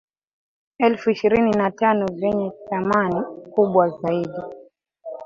elfu ishirini na tano vyenye thamani kubwa zaidi